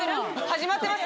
始まってます？